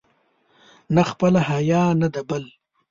نه خپله حیا، نه د بل.